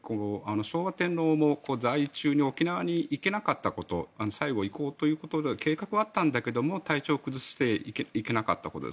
昭和天皇も在位中に沖縄に行けなかったこと最後、行こうという計画はあったんだけれども体調を崩していけなかったこと。